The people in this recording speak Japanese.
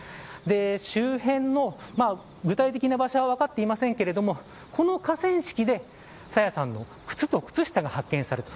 周辺の具体的な場所は分かっていませんけれどもこの河川敷で、朝芽さんの靴と靴下が発見された。